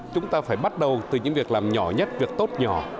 chúng ta phải bắt đầu từ những việc làm nhỏ nhất việc tốt nhỏ